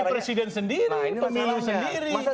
jadi presiden sendiri pemilu sendiri